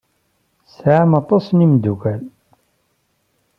Tesɛam aṭas n imeddukal.